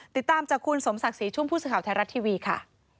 ติดตามจากคุณสมศักดิ์ศรีชุ่มผู้สื่อข่าวไทยรัฐทีวีค่ะ